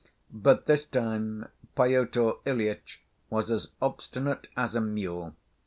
But this time Pyotr Ilyitch was as obstinate as a mule.